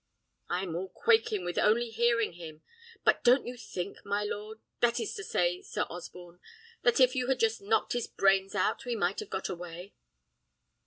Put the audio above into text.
I'm all quaking with only hearing him. But don't you think, my lord that is to say, Sir Osborne that if you had just knocked his brains out, we might have got away?"